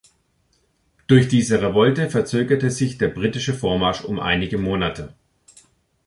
Durch diese Revolte verzögerte sich der britische Vormarsch um einige Monate.